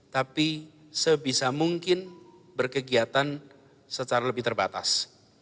tapi sebisa mungkin berkegiatan secara lebih terbatas